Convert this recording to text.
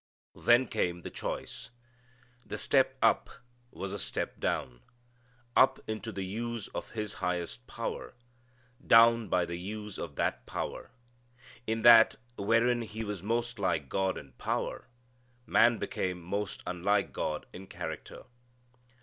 Then came the choice. The step up was a step down: up into the use of his highest power; down by the use of that power. In that wherein he was most like God in power, man became most unlike God in character.